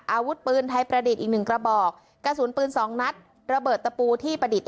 อาวุธปืนไทยประดิษฐ์อีกหนึ่งกระบอกกระสุนปืน๒นัดระเบิดตะปูที่ประดิษฐ์